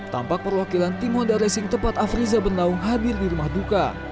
tampak perwakilan tim honda racing tepat afriza bernaung hadir di rumah duka